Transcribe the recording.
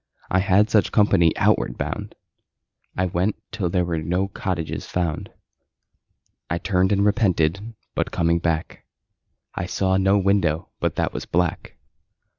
I had such company outward bound. I went till there were no cottages found. I turned and repented, but coming back I saw no window but that was black.